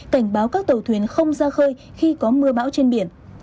cảnh báo các tàu thuyền không ra khơi khi có mưa bão trên biển